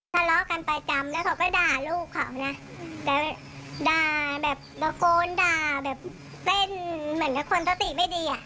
ทะเลาะกันประจำแล้วเขาก็ด่าลูกเขานะแต่ด่าแบบตะโกนด่าแบบเต้นเหมือนกับคนสติไม่ดีอ่ะ